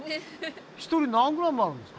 １人何ｇあるんですか？